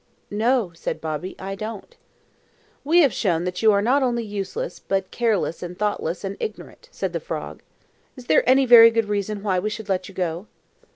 "No," said Bobby; "I don't." "We have shown that you are not only useless, but careless and thoughtless and ignorant," said the frog. "Is there any very good reason why we should let you go?"